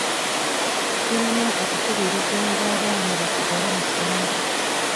Tuyina okukubirizanga abaana basigale mu ssomero.